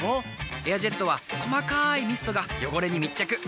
「エアジェット」は細かいミストが汚れに密着。